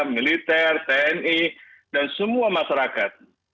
militer tni dan semua masyarakat